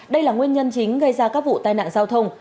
đây là nguyên nhân chính gây ra các vụ tai nạn giao thông